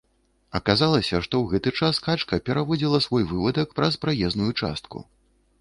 Аказалася, што ў гэты час качка пераводзіла свой вывадак праз праезную частку.